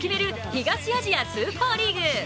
東アジアスーパーリーグ。